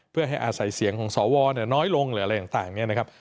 เพื่อให้อาศัยเสียงของสวน้อยลงหรืออะไรต่างเนี่ยนะครับ